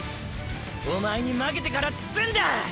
おまえに負けてから積んだ！！